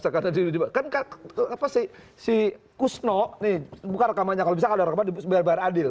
kan si kusno bukan rekamannya kalau bisa kalau rekamannya biar biar adil